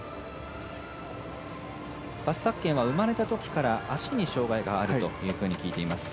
バス・タッケンは生まれたときから足に障がいがあると聞いています。